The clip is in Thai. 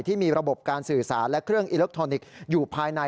ที่มีระบบการสื่อสารและเครื่องอิเล็กทรอนิกส์อยู่ภายใน